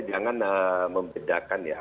jangan membedakan ya